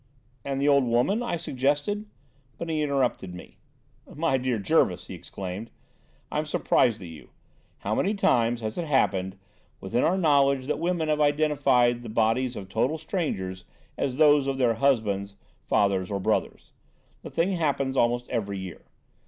"And the old woman—" I suggested, but he interrupted me. "My dear Jervis," he exclaimed; "I'm surprised at you. How many times has it happened within our knowledge that women have identified the bodies of total strangers as those of their husbands, fathers or brothers? The thing happens almost every year.